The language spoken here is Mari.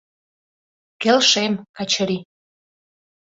— Келшем, Качыри...